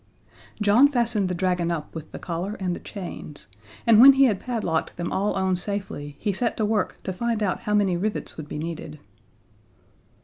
John fastened the dragon up with the collar and the chains, and when he had padlocked them all on safely he set to work to find out how many rivets would be needed.